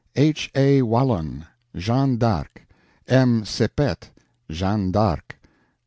H. A. WALLON, Jeanne d'Arc. M. SEPET, Jeanne d'Arc.